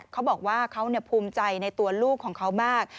เขาบอกว่าเขาภูมิใจในตัวลูกของเขามาก